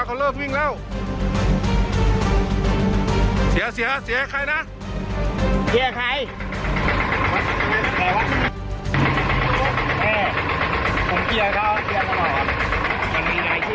เกียร์เขาเกียร์ตลอดครับ